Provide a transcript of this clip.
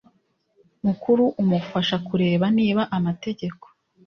mukuru umufasha kureba niba amategeko